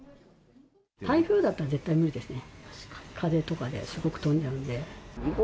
台風だったら絶対無理ですね。